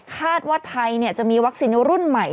คาดว่าไทยจะมีวัคซีนรุ่นใหม่